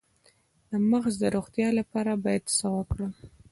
د مغز د روغتیا لپاره باید څه وکړم؟